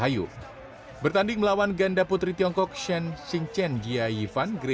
yang akan datang